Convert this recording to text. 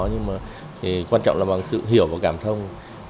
nhưng mà quan trọng là bằng sự hiểu và cảm thông